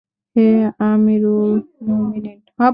হে আমীরুল মুমিনীন!